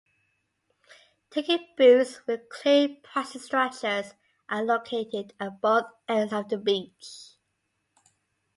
Ticket booths with clear pricing structures are located at both ends of the beach.